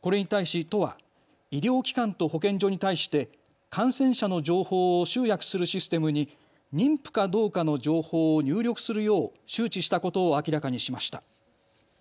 これに対し都は医療機関と保健所に対して感染者の情報を集約するシステムに妊婦かどうかの情報を入力するよう周知したことを明らかにしました。